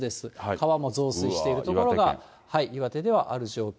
川も増水している所が岩手ではある状況。